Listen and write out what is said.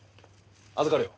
預かるよ。